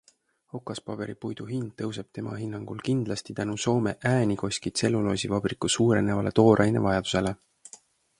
Okaspaberipuidu hind tõuseb tema hinnangul kindlasti tänu Soome Äänikoski tselluloosivabriku suurenevale toorainevajadusele.